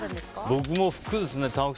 僕も服ですね。